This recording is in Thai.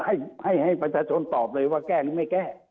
ให้ให้ประชาชนตอบเลยว่าแก้หรือไม่แก้